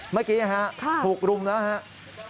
เมื่อกี้ถูกรุมแล้วครับ